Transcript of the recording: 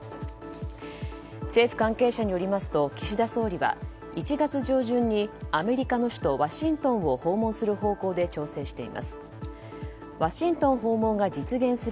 政府関係者によりますと岸田総理は１月上旬にアメリカの首都ワシントンを訪問する方向で調整しています。